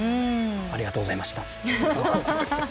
ありがとうございました」と送って。